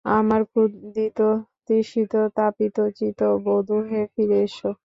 আমার ক্ষুধিত তৃষিত তাপিত চিত, বঁধু হে, ফিরে এসো।